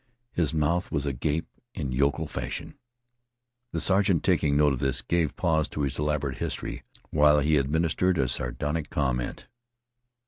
His mouth was agape in yokel fashion. The sergeant, taking note of this, gave pause to his elaborate history while he administered a sardonic comment.